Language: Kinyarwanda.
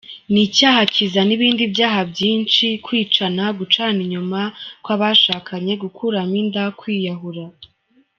Ni icyaha kizana ibindi byaha binshi:Kwicana, gucana inyuma kw’abashakanye, gukuramo inda, kwiyahura.